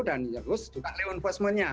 dan terus juga lay investmentnya